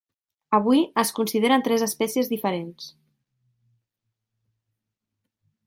Avui es consideren tres espècies diferents.